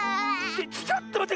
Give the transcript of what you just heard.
ちょっとまって！